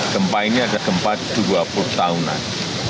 gempa ini ada gempa dua puluh tahunan